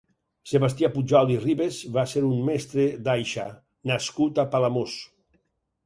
Sebastià Pujol i Ribes va ser un mestre d'aixa nascut a Palamós.